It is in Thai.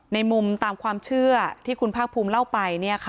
ในมุมตามความเชื่อที่คุณภาคภูมิเล่าไป